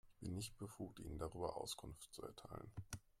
Ich bin nicht befugt, Ihnen darüber Auskunft zu erteilen.